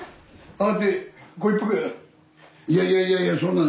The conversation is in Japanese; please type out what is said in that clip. いやいやいやいやそんな。